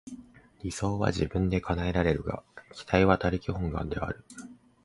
理想は自分で叶えられるが、期待は他力本願である。